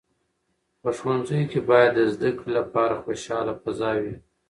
په ښوونځیو کې باید د زده کړې لپاره خوشاله فضا وي.